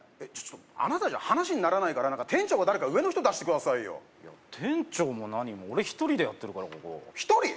あなたじゃ話にならないから店長か誰か上の人出してください店長も何も俺一人でやってるからここ一人？